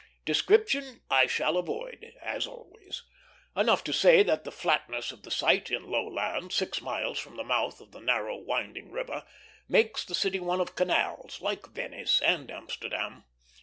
Description I shall avoid, as always; enough to say that the flatness of the site, in low land, six miles from the mouth of the narrow, winding river, makes the city one of canals, like Venice and Amsterdam.